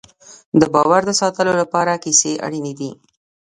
د باور د ساتلو لپاره کیسې اړینې دي.